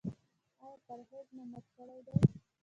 ایا پرهیز مو مات کړی دی؟